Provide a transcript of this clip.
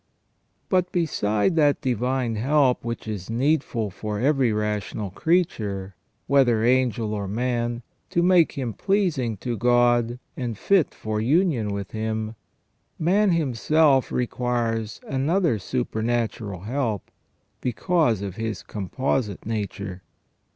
But beside that divine help which is needful for every rational creature, whether angel or man, to make him pleasing to God and fit for union with Him, man himself requires another supernatural help, because of his composite nature.